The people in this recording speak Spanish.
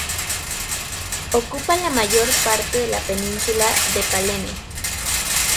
Ocupa la mayor parte de la península de Palene.